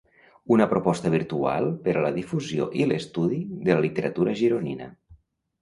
Una proposta virtual per a la difusió i l'estudi de la literatura gironina.